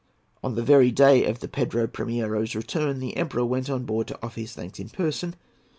On the very day of the Pedro Primiero's return, the Emperor went on board to offer his thanks in person.